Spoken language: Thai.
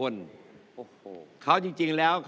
ง่ายไหมง่าย